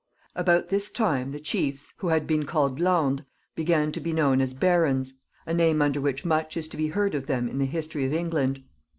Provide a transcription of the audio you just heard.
About this time the chiefs, who had been called lendes^ began to be known as barons — a name under which much is to be heard of them in the History of England.